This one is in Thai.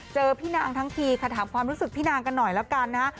เจอพี่นางทั้งทีค่ะถามความรู้สึกพี่นางกันหน่อยแล้วกันนะฮะ